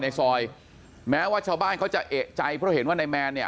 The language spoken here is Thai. ในซอยแม้ว่าชาวบ้านเขาจะเอกใจเพราะเห็นว่านายแมนเนี่ย